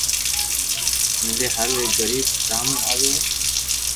مليا ھارو ايڪ غريب براھمڻ آويو ھي